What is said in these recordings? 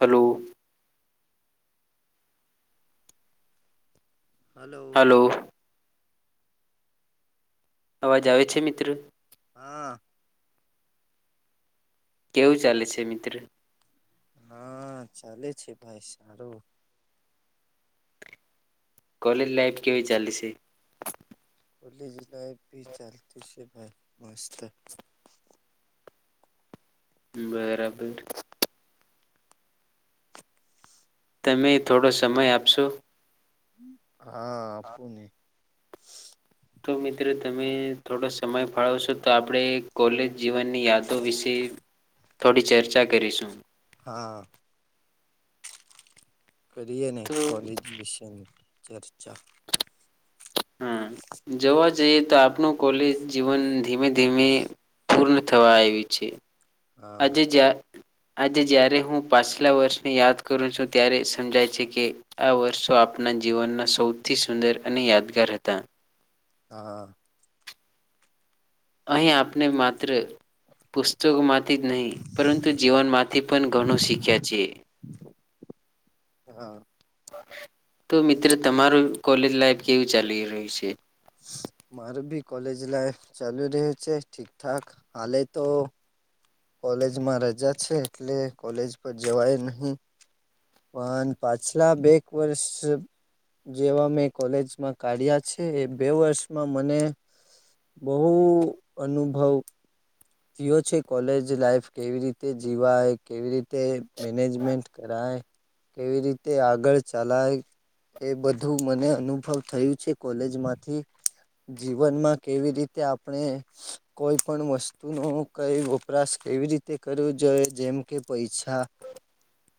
hello hello અવાજ આવે છે મિત્ર હા કેવું ચાલે છે મિત્ર હા ચાલે છે ભાઈ સારું કલેજ લાઈફ કેવી ચાલી છે લી જલા ભી ચાલતી છે ભાઈ મસ્ત બરાબર તમે થોડો સમય આપશો હા આપું નને તો મિત્રો તમે થોડો સમય ફાળવશો તો આપણે કોલેજ જીવનની યાદો વિશે થોડી ચર્ચા કરીશું હા કરીએ અને તો કોલેજ વિશેની ચર્ચા હા જોવા જ જઈએ તો આપનું કોલેજ જીવન ધીમે ધીમે પૂર્ણ થવા આવ્યું છે હા આજે જ આજે જય્યારે હું પાછલા વર્ષની યાદ કરું છું ત્યારે સમજાય છે કે આ વર્ષો આપ આપના જીવનના સૌથી સુંદર અને યાદગાર હતા હા અહીં આપને માત્ર પુસ્તકો માત્ર નહી પરંતુ જીવન માંથી પણ ઘણું શીખ્યા છે હા તો મિત્ર તમારું કોલેજ લાઈફ કેવું ચાલી રહ્યું છે માર ભી કોલેજ લાઈફ ચાલુ રહ્યું છે ઠીકઠાક હલે તો કોલેજમાં રજા છે એટલે કોલેજ પર જવાય નહી પણ પાછલા બેક વર્ષ જેવા મેં કોલેજમાં કાઢ્યા છે એ બે વર્ષમાં મને બહુ અનુભવ યો છે કોલેજ લાઈફ કેવી રીતે જીવાય કેવી રીતે મેનેજમેન્ટ કરાય કેવી રીતે આગળ ચલાય એ બધું મને અનુભવ થયું છે કોલેજમાંથી જીવનમાં કેવી રીતે આપણે કોઈ પણ વસ્તુ તુ ન કઈ વપરાશ કેવી રીતે કરવો જોઈએ જેમ કે પૈસા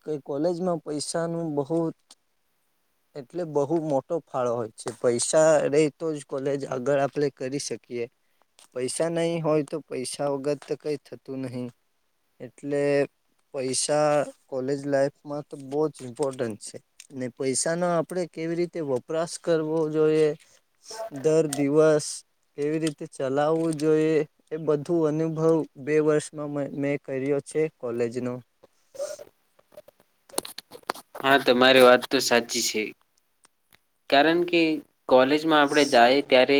કે કોલેજમાં પૈસાનું બહુત એટલે બહુ મોટો ફાળો હોય છે પૈસા રે તો જ કોલેજ આગળ આપણે કરીશ શકીએ પૈસા નહી હોય તો પૈસા વગર કઈ થતું નહીિ એટલે પૈસા કોલેજ લાઈફમાં તો બહ જ ઇમ્પોર્ટન્ટ છે પૈસા ન આપડે કેવી રીતે વપરાશ કરવો જોઈએ દર દિવસ કેવી રીતે ચલા લાવવું જોઈએ એ બધું અનુભવ બે વર્ષમાં મેં કર્યો છે કોલેજનો બ હા તમારી વાત તો સાચી છે કારણ કે કોલેજમાં આપડે જાય ત્યારે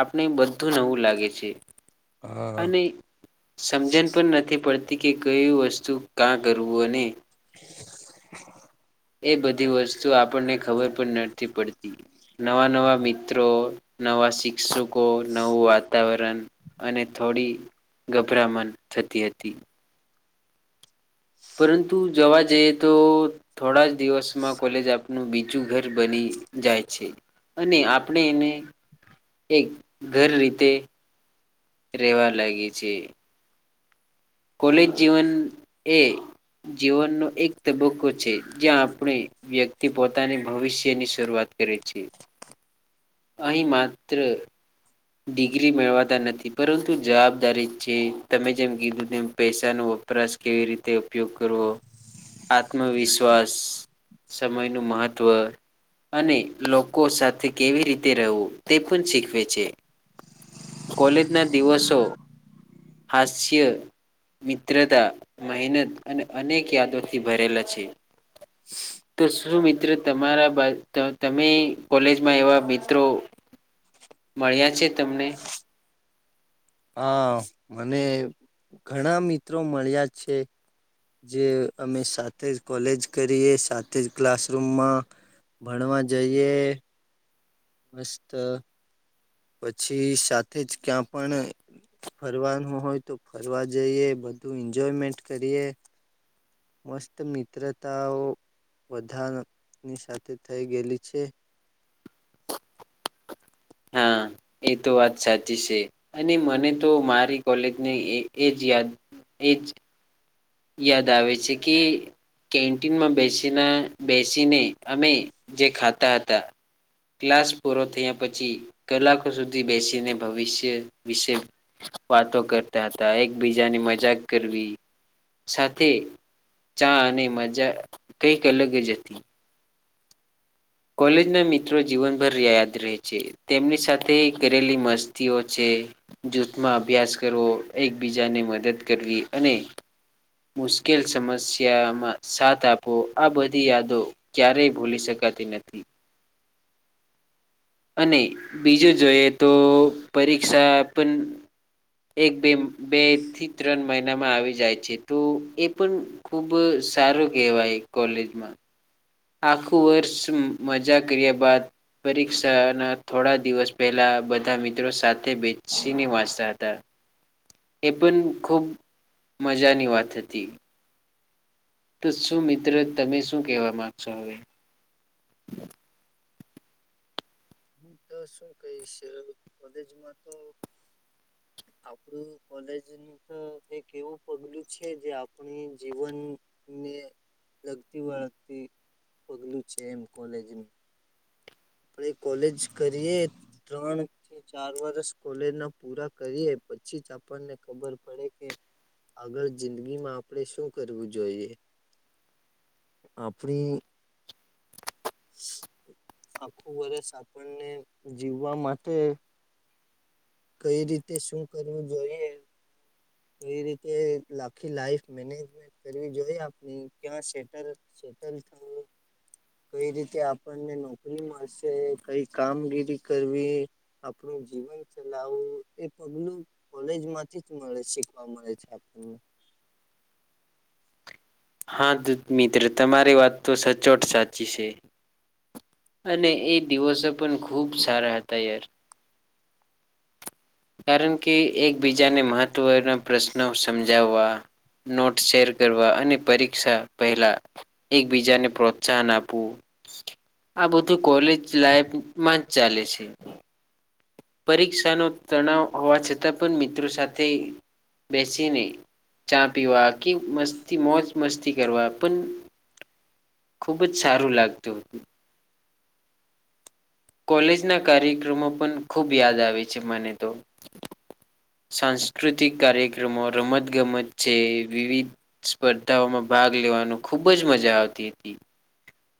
આપણે બધું નવું લાગે છે હા અને સમજણ પણ નથી પડતી કે કઈ વસ્તુ કા કરવુંને હ એ બધી વસ્તુ આપણને ખબર પણ નથી પડતી નવા નવા મિત્રો નવા શિક્ષુકો નવું વાતાવરણ અને થોડી ગભરામણ થતી હતી પરંતુ જવા જઈએ તો થોડા જ દિવસમાં કોલેજ આપનું બીજું ઘર બની જાય છે અને આપણે એને એક ઘર રીતે રહેેવા લાગે છે કોલેજ જીવન એ જીવનનો એક તબક્કો છે જ્યાં આપણે વ્યક્તિ પોતાની ભવિષ્યની શરૂઆત કરે છે અહી માત્ર ડિગ્રી મેળવાતા નથી પરંતુ જવાબદારી છે તમે જેમ કીધું તેમ પૈસા ન વપરાશ કેવી રીતે ઉપયોગ કરવો આત્મવિશ્વાસ સમયનું મહત્ત્વ અને લોકો સાથે કેવી રીતે રહેવું તે પણ શીખવે છે કોલેજ ના દિવસો હાસ્ય મિત્રતા મહેનત અને અનેક યાદોથી ભરેલા છે તો શું મિત્ર તમારા બા તમે કોલેજમાં એવા મિત્રો મળ્યા છે તમને હા મને ઘણા મિત્રો મળ્યા છે જે અમે સાથે જ કોલેજ કરીએ સાથે જ ક્લાસરૂમમાં ભણવા જઈએ મસ્ત પછી સાથે જ ક્યાં પણ ફરવાનું હોય તો ફરવા જઈએ એજોયમેન્ટ કરી મસ્ત મિત્રતાઓ વધાની સાથે થઈ ગયેલી છે હા એ તો વાત સાચી છે અને મને તો મારી કોલેજને એજ યાદ એજ યાદ આવે છે કે કેન્ટીનમાં બેસીને બેસીને અમે જે ખાતા હતા ક્લાસ પૂરો થયા પછી કલાકો સુધી બેસીને ભવિષ્ય વિશે વાતો કરતા હતા એકબીજાની મજાક કરવી સાથે ચા અને મજા કઈક અલગ જ હતી કોલેજ ના મિત્રો જીવનભર યાદ રહે છે તેમની સાથે કરેલી મસ્તીઓ છે જૂથમાં અભ્યાસ કરવો એકબીજાને મદદ કરવી અને મુશ્કેલ સમસ્યામાં સાથ આપો આ બધી યાદો ક્યારેય ભૂલી શકાય નથી અને બીજું જોઈએ તો પરીક્ષા પણ એક બે બે થી ત્રણ મા આવી જાય છે તો એ પણ ખુબ સારો કહેવાય કોલેજમાં આખું વર્ષ મજા કર્યા બાદ પરીક્ષાના થોડા દિવસ પહેલા બધા મિત્રો સાથે બેસીને વાંચતા હતા એ પણ ખૂબ મજાની વાત હતી તો શું મિત્ર તમે શું કહેવા માંગશો હવે હું તો શું કહીશ કોલેજમાં તો આપણું કોલેજ તો એક એવું પગલું છે જે આપણી જીવન ને લગતી વળગતી પગલું છે એમ કોલેજનું આપે કોલેજ કરીએ ત્રણ થી ચાર વરષ કોલેજ ના પૂરા કરીએ પછી જ આપણને ખબર પડે કે આગળ જિંદગીમાં આપણે શું કરવું જોઈએ આપફણે આખું વર્ષ આપણને જીવવા માટે કઈ રીતે શું કરવું જોઈએ એવી રીતે આખી લાઈફ મેનેજમેન્ટ કરવી જોઈ આપ ક્યાં સેટ છે -ટલ છ [unintelligible] કઈ રીતે આપણને નોકરી મળશે કઈ કામગીરી કરવી આપું જીવન ચલાવું એ પગલું કોલેજ માંથી જ મળે છે જોવા મળે છે આપણને હા દૂત મિત્ર તમારી વાત તો સચોટ સાચી છે અને એ દિવસો પણ ખુબ સારા હતા યાર કારણ કે એકબીજાને મહત્વના પ્રશ્નો સમજાવવા નોટ શેર કરવા અને પરીક્ષા પહેલા એકબીજાને પ્રોત્સાહન આપવું આ બધું કોલેજ લાઈફમાં જ ચાલે છે પરીક્ષાનો તણાવ હોવા છતાં પણ મિત્રો સાથે બેસી ને ચા પીવા કે મસ્તી મોજ મસ્તી કરવા પણ ખુબ જ સારું લાગતું હતું કોલેજના કાર્યક્રમો પણ ખૂબ યાદ આવે છે મને તો સાંસ્કૃતિક કાર્યક્રમો રમતગમત છે વિવિધ સ્પર્ધાઓમાં ભાગ ભાગ લેવાનું ખુબ જ મજા આવતી હતી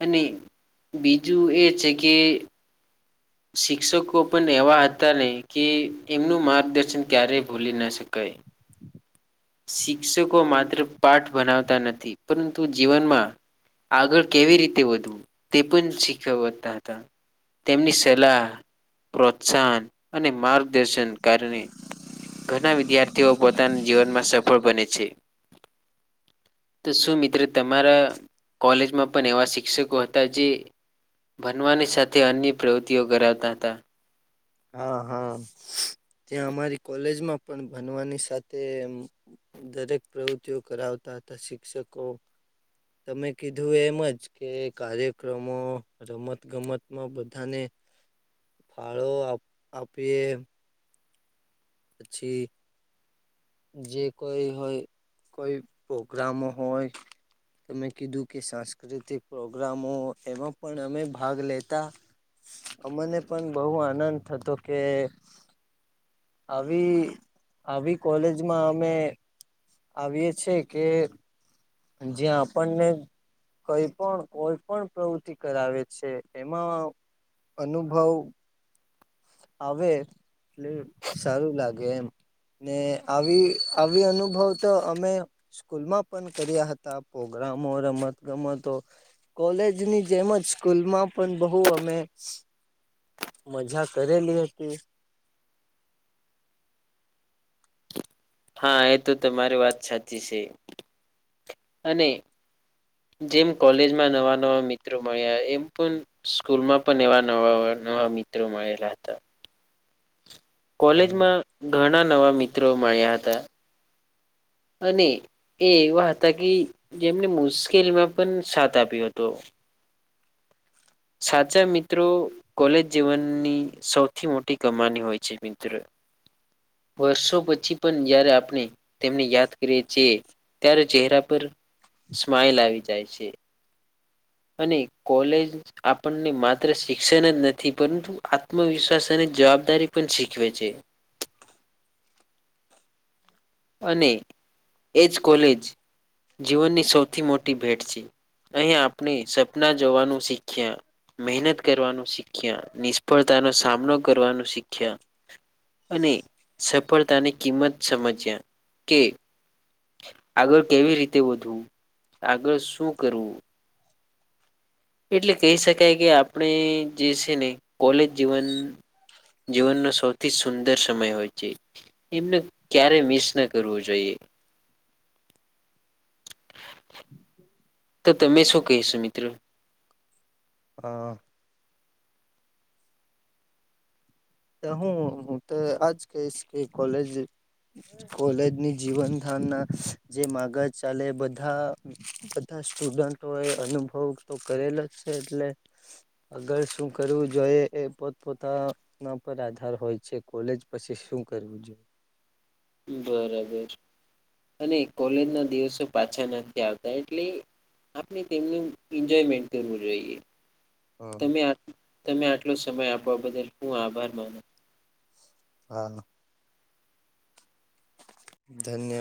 અને બીજું એ છે કે શિક્ષકો પણ એવા હતા ને કે એમનું માર્ગદર્શન ક્યારેય ભૂલી ના શકાય શિક્ષકો માત્ર પાઠ ભનાવતા નથી પરંતુ જીવનમાં આગળ કેવી રીતે વધવું તે પણ શીખવતા હતા તેમની સલાહ પ્રોત્સાહન અને માર્ગદર્શન કારણે ઘણા વિદ્યાર્થીઓ પોતાના જીવનમાં સફળ બને છે તો શું મિત્ર તમારા કોલેજમાં પણ એવા શિક્ષકો હતા જે બનવાની સાથે અન્ય પ્રવૃત્તિઓ કરાવતા હતા હા હા ત્યાં અમારી કોલેજમાં પણ ભનવાની સાથે દરેક પ્રવૃતિઓ કરાવતી તથ શિક્ષકો તમે કીધું એમજ કે કાર્યક્રમો રમત ગમતમાં બધાને હ ફાળો આપીએ પછી જે કોઈ હોય કોઈ પ્રોગ્રામ હોય તમે કીધું કે સાંસ્કૃતિક પ્રોગ્રામો એમાં પણ અમે ભાગ લેતા અમને પણ બહુ આનંદ થતો કે આવી આવી કોલેજમાં અમે આવીએ છે કે જ્યા આપણને કઈ પણ કોઈ પણ પ્રવૃતિ કરાવે છે એમાં અનુભવ આવે એટલે સારું લાગે એમ ને આવી આવી અનુભવ તો અમે સ્કૂલમાં પણ કર્યા હતા પ્રોગ્રામ કામો રમત ગમતો કોલેજ ની જેમ જ સ્કૂલમાં પણ બહુ અમે મજા કરેલી હતી હા એ તો તમારી વાત સાચી છે અને જેમ કોલેજમાં નવા નવા મિત્રો મળ્યા એમ પણ સ્કૂલમાં પણ એવા નવા નવા મિત્રો મળેલા હતા કોલેજમાં ઘણા નવા મિત્રો મળ્યા હતા અને એ એવા હતા કે જેમને મુશ્કેલીમાં પણ સાથ આપ્યો હતો સાચા મિત્રો કોલેજ જીવનની સૌથી મોટી કમાની હોય છે મિત્રો વર્ષો પછી પણ જયારે આપણે તેમને યાદ કરીએ છીએ ત્યારે ચહેરા પર સ્માઈલ આવી જાય છે અને કોલેજ આપણને માત્ર શિક્ષણ જ નથી પરંતુ આત્મવિશ્વાસ અને જવાબદારી પણ શીખવે છે અને એજ કોલેજ જીવનની સૌથી મોટી ભેટ છે અહીં આપણે સપના જોવાનું શીખ્યા મહેનત કરવાનું શીખ્યા નિષ્ફળતાનો સામનો કરવાનું શીખ્યા અને સફળતાની કિંમત સમજ્યા કે આગળ કેવી રીતે વધવું આગળ શું કરવું એટલે કહી શકાય કે આપણે જે છે ને કોલેજ જીવન જીવનનો સૌથી સુંદર સમય હોય છે એમને ક્યારે મિસ ના કરવું જોઈએ તો તમે છું કહેશો મિત્રો હા હું હું તો આજ કહીશ કે કોલેજ કોલેજની જીવન ધાર ના જે માગજ ચાલેબધા સ્ટુડન્ટો એ અનુભવ તો કરેલ જ છે એટલે અગળ શું કરવું જોઈએ એ પોત પોતા પર આધાર હોય છે કોલેજ પછી શું કરવું જોઈએ બરાબર અને કોલેજ ના દિવસો પાછા નથી આવતા એટલે આપણે તેમનું એન્જોયમેન્ટ કરવું જોઈએ ત હમ તમે આટલો સમય આપવા બદલ શું આભાર માનો હા ધન્યવાદ